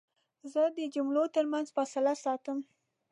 زه د جملو ترمنځ فاصله ساتم.